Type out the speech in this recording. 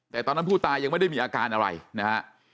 แต่ตอนนั้นผู้ตายยังไม่ได้มีอาการอะไรนะฮะ